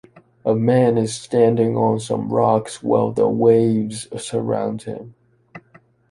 A man is standing on some rocks while the waves surround him